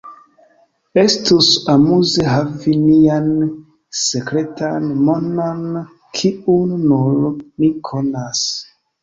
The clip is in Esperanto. Estus amuze havi nian sekretan monon kiun nur ni konas.